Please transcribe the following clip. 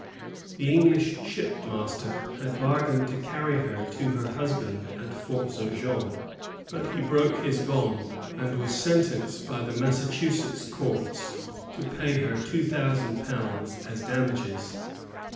The English ship master had bargained to cany her to her husband at Fort St. Jean ; but he broke his bond, and was sen tenced by the Massachusetts courts to pay her £2, 000 as damages.